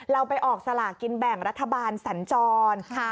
เราไปออกสลากินแบ่งรัฐบาลสัญจร